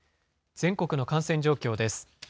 全国の感染状況です。